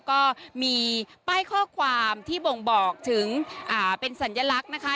ก็มีป้ายข้อความที่บ่งบอกถึงเป็นสัญลักษณ์นะคะ